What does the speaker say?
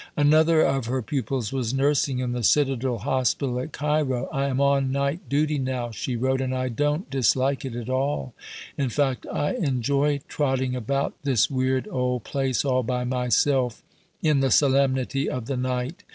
Another of her pupils was nursing in the Citadel Hospital at Cairo. "I am on night duty now," she wrote, "and I don't dislike it at all: in fact I enjoy trotting about this weird old place all by myself in the solemnity of the night!